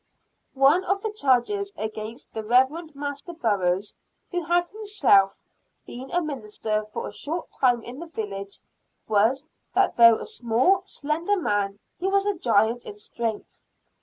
One of the charges against the Rev. Master Burroughs, who had himself been a minister for a short time in the village, was, that though a small, slender man, he was a giant in strength.